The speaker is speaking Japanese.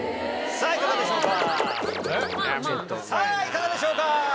さぁいかがでしょうか？